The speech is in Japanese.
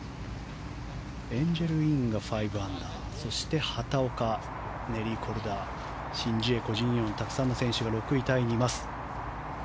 エンジェル・インが５アンダーそして畑岡、ネリー・コルダシン・ジエコ・ジンヨン、たくさんの選手が６位タイにいます。